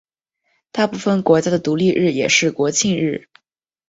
大部分国家的独立日也是国庆日。